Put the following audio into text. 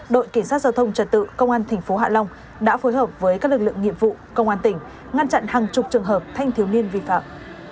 đội cảnh sát giao thông trật tự công an tp hạ long đã phối hợp với các lực lượng nghiệp vụ công an tỉnh ngăn chặn hàng chục trường hợp thanh thiếu niên vi phạm